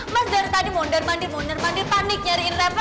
mas dari tadi mondar mandir mondar mandir panik nyariin reva